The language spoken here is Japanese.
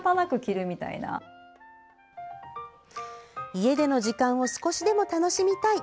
家での時間を少しでも楽しみたい。